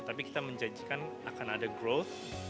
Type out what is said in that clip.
tapi kita menjanjikan akan ada growth